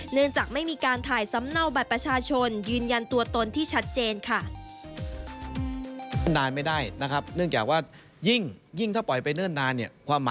เนื่องจากไม่มีการถ่ายสำเนาบัตรประชาชนยืนยันตัวตนที่ชัดเจนค่ะ